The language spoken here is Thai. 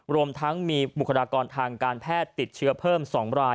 รวมทั้งมีบุคลากรทางการแพทย์ติดเชื้อเพิ่ม๒ราย